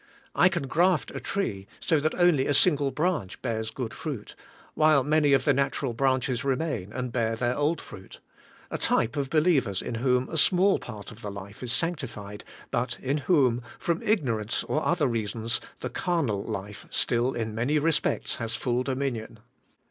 I can graft a tree so that only a single branch bears good fruit, while many of the natural branches remain, and bear their old fruit, a type of believers in whom a small part of the life is sanctified, but in whom, from ignorance or other reasons, the carnal life still in many respects has full dominion.